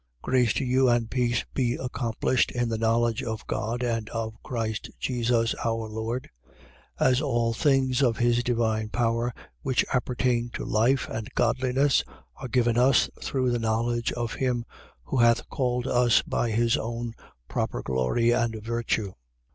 1:2. Grace to you and peace be accomplished in the knowledge of God and of Christ Jesus our Lord. 1:3. As all things of his divine power which appertain to life and godliness are given us through the knowledge of him who hath called us by his own proper glory and virtue.